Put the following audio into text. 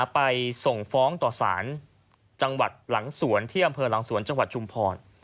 ไปส่งฟ้องต่อสารจังหวัดหลังสวนที่อำเภอหลังสวนจังหวัดชุมพร